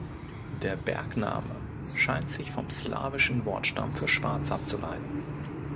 Der Bergname scheint sich vom slawischen Wortstamm für schwarz abzuleiten.